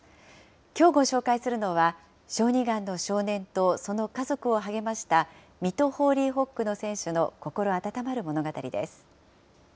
きょうご紹介するのは、小児がんの少年とその家族を励ました、水戸ホーリーホックの選手の心温まる物語です。